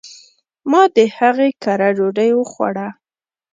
ما د هغي کره ډوډي وخوړه .